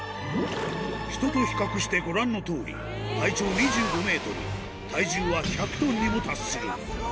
人と比較してご覧のとおり、体長２５メートル、体重は１００トンにも達する。